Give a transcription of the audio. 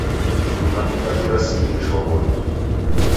Juma idadu rasirie shwaw'ori.